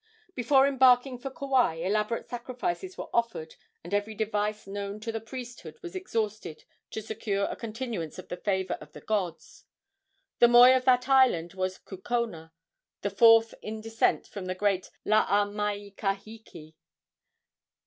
Before embarking for Kauai elaborate sacrifices were offered, and every device known to the priesthood was exhausted to secure a continuance of the favor of the gods. The moi of that island was Kukona, the fourth in descent from the great Laa mai kahiki.